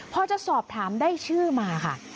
พอจะสอบถามได้ชื่อมาค่ะ